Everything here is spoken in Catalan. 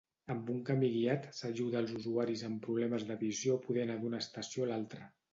Amb un camí guiat s'ajuda els usuaris amb problemes de visió a poder anar d'una estació a l'altra.